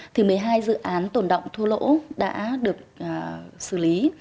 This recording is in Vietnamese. thì một mươi hai dự án tổn động thua lỗ đã được xử lý